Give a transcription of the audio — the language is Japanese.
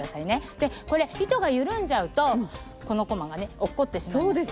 でこれ糸が緩んじゃうとこのこまがね落っこってしまいます。